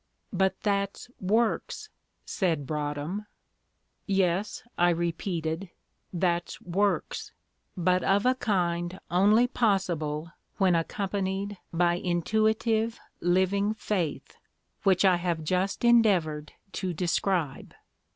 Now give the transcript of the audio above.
"But that's works," said Broadhem. "Yes," I repeated, "that's works, but of a kind only possible when accompanied by intuitive living faith, which I have just endeavoured to describe.